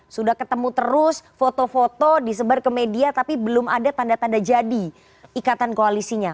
sudah ketemu terus foto foto disebar ke media tapi belum ada tanda tanda jadi ikatan koalisinya